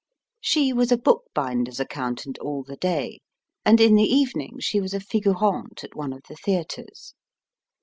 She was a bookbinder s accountant all the day, and in the evening she was & figurante at one of the theatres.